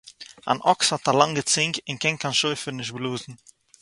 אַן אָקס האָט אַ לאַנגע צונג און קען קיין שופֿר ניט בלאָזן.